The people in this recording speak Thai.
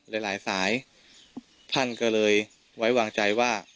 หลายสายท่านก็เลยไว้วางใจว่า